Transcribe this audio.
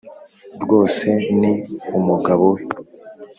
rwose ni umugabo we